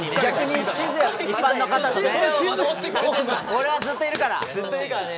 俺はずっといるから。